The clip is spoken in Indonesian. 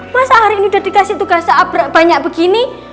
mas al hari ini udah dikasih tugas banyak begini